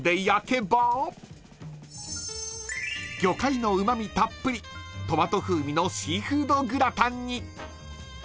［魚介のうま味たっぷりトマト風味のシーフードグラタンに］